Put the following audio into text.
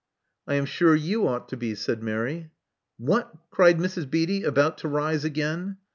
"I am sure you ought to be," said Mary. What!" cried Mrs. Beatty, about to rise again.